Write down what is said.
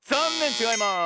ちがいます。